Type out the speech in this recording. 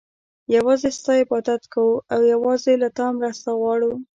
يوازي ستا عبادت كوو او يوازي له تا مرسته غواړو